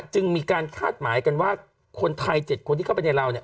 จึงมีการคาดหมายกันว่าคนไทย๗คนที่เข้าไปในลาวเนี่ย